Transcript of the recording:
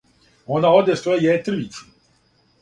Она оде својој јетрвици,